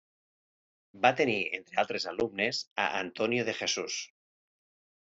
Va tenir entre altres alumnes a Antonio de Jesús.